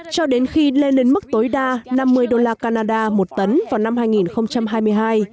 cho đến khi lên mức tối đa năm mươi đô la canada một tấn vào năm hai nghìn hai mươi hai